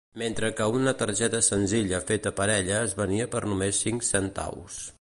Mentre que una targeta senzilla feta per ella es venia per només cinc centaus.